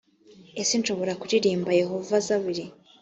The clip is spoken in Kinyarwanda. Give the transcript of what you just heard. ese nshobora kuririmbira yehova zaburi